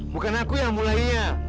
bukan aku yang mulainya